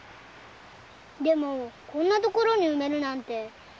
でもこんな所に埋めるなんて変だよ！